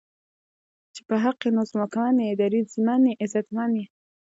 چې په حق ئې نو ځواکمن یې، دریځمن یې، عزتمن یې